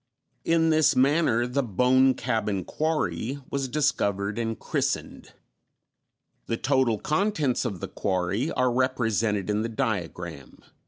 In this manner the "Bone Cabin Quarry" was discovered and christened. The total contents of the quarry are represented in the diagram (not reprinted.)